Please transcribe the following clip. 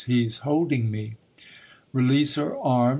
He's holding me!" "Release her arm!"